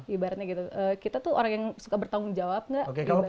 ibaratnya gitu kita tuh orang yang suka bertanggung jawab nggak